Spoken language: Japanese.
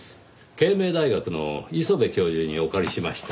慶明大学の磯部教授にお借りしました。